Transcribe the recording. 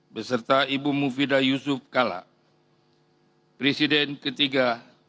beserta ibu mufidah yusuf kala